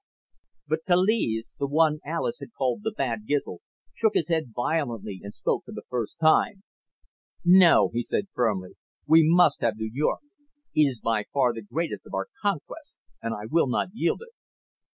But Kaliz, the one Alis had called the Bad Gizl, shook his head violently and spoke for the first time. "No," he said firmly. "We must have New York. It is by far the greatest of our conquests and I will not yield it."